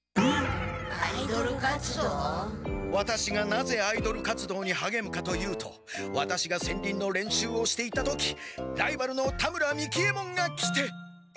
ワタシがなぜアイドル活動にはげむかというとワタシが戦輪の練習をしていた時ライバルの田村三木ヱ門が来て。